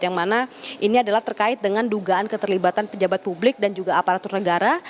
yang mana ini adalah terkait dengan dugaan keterlibatan pejabat publik dan juga aparatur negara